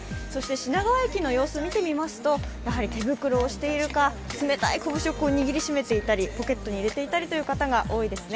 品川駅の様子を見てみますと、手袋をしているか冷たい拳を握りしめていたり、ポケットに入れていたりする方が多いですね。